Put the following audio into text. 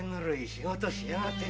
仕事しやがって！